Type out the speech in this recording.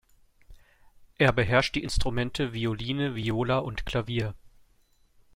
Er beherrscht die Instrumente Violine, Viola und Klavier.